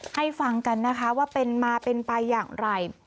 ให้ฟังกันนะคะว่าเป็นมาเป็นไปอย่างไร